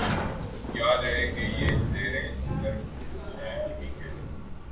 یاد رہے کہ یہ زیریں سرخ شعاعیں ہی ہیں